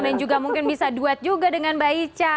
dan juga mungkin bisa duet juga dengan mbak ica